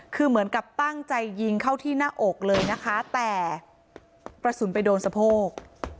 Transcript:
คือเหมือนกับตั้งใจยิงเข้าที่หน้าอกเลยนะคะแต่กระสุนไปโดนสะโพก